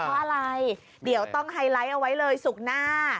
เพราะอะไรเดี๋ยวต้องไฮไลท์เอาไว้เลยศุกร์หน้า